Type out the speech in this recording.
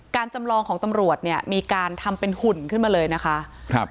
การจำลองของตำรวจมีการทำเป็นหุ่นขึ้นมาเลยนะคะ